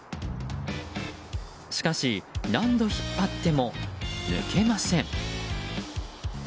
しかし、何度引っ張っても抜けません。